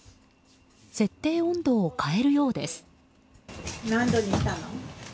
設定温度を変えるようです。